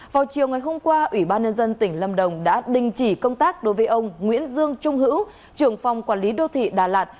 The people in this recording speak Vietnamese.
vào chiều ngày hôm qua ủy ban nhân dân tỉnh lâm đồng đã đình chỉ công tác đối với ông nguyễn dương trung hữu trưởng phòng quản lý đô thị đà lạt